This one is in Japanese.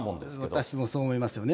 私もそう思いますよね。